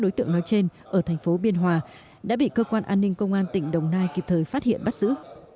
đối tượng nói trên ở thành phố biên hòa đã bị cơ quan an ninh công an tỉnh đồng nai kịp thời phát hiện bắt giữ